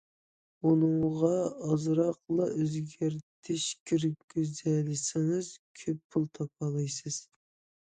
ئۇنىڭغا ئازراقلا ئۆزگەرتىش كىرگۈزەلىسىڭىز، كۆپ پۇل تاپالايسىز.